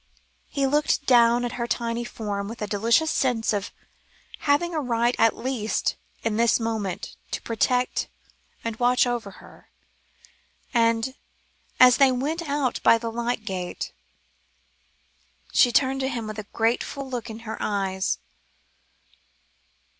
He looked down at her tiny form with a delicious sense of having a right at least, in this moment, to protect and watch over her, and, as they went out of the lych gate, she turned to him with a grateful look in her eyes.